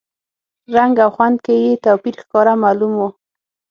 رنګ او خوند کې یې توپیر ښکاره معلوم و.